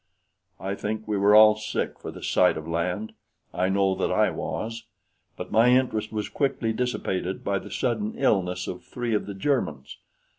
I think we were all sick for the sight of land. I know that I was; but my interest was quickly dissipated by the sudden illness of three of the Germans.